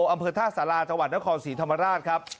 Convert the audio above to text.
อำเภอท่าสาราจังหวัดนครศรีธรรมราชครับ